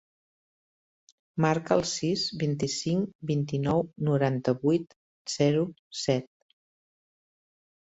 Marca el sis, vint-i-cinc, vint-i-nou, noranta-vuit, zero, set.